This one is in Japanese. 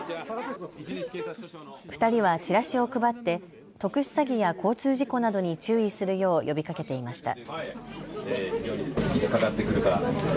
２人はチラシを配って特殊詐欺や交通事故などに注意するよう呼びかけていました。